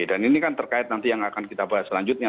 dan ini kan terkait nanti yang akan kita bahas selanjutnya